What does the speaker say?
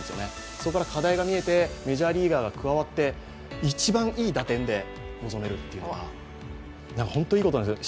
そこから課題が見えて、メジャーリーガーが加わって、一番いいときに戦えるというのは本当にいいことなんですよ。